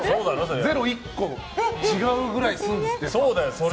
０が１個違うぐらいするんですって。